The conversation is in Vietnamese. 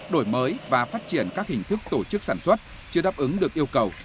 đổi mới và phát triển các hình thức tổ chức sản xuất chưa đáp ứng được yêu cầu